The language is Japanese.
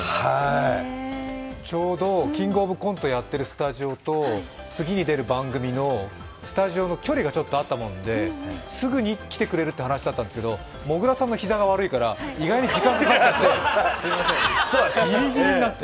ちょうど「キングオブコント」をやってるスタジオと次に出る番組のスタジオの距離があったもんで、すぐに来てくれるって話だったんですけど、もぐらさんの膝が悪いから意外にギリギリになって。